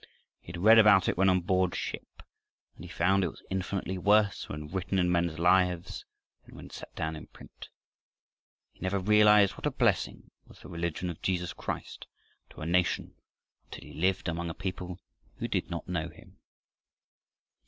He had read about it when on board ship, but he found it was infinitely worse when written in men's lives than when set down in print. He never realized what a blessing was the religion of Jesus Christ to a nation until he lived among a people who did not know Him.